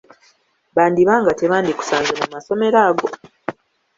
Bandiba nga tebandikusanze mu masomero ago.